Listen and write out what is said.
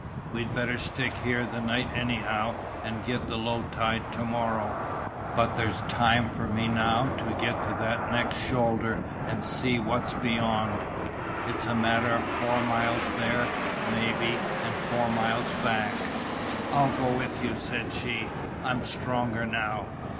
We'd better stick here the night anyhow and get the low tide to morrow. But there's time for me now to get to that next shoulder and see what's beyond, it's a matter of four miles there maybe and four miles back." "I'll go with you," said she, "I'm stronger now."